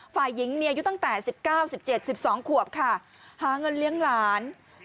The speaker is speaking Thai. ฝ่ายหญิงมีอายุตั้งแต่๑๙๑๗๑๒ขวบค่ะหาเงินเลี้ยงหลาน